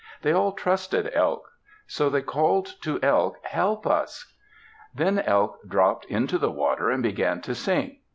They all trusted Elk. So they called to Elk, "Help us." Then Elk dropped into the water and began to sink.